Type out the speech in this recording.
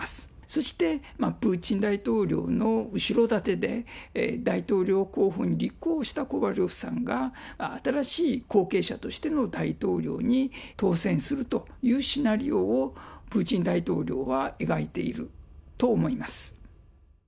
そして、プーチン大統領の後ろ盾で大統領候補に立候補したコバリョフさんが、新しい後継者としての大統領に当選するというシナリオを、プーチン大統領は描いていると思います。